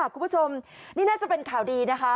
คุณผู้ชมนี่น่าจะเป็นข่าวดีนะคะ